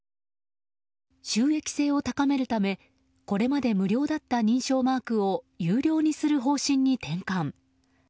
収益性を高めるためこれまで無料だった認証マークを有料にする方針に転換。